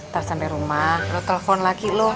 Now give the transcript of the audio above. nanti sampai rumah lo telepon laki lo